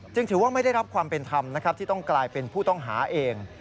จึงถือว่าไม่ได้รับความเป็นคำที่ต้องกลายเป็นผู้ต้องหาเอง